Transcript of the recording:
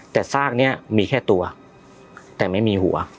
แต่ซากนี้มีแค่ตัวแต่ไม่มีหัว